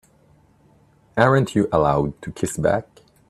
Aren't you allowed to kiss back?